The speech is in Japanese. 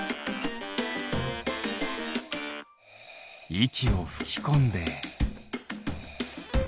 いきをふきこんで。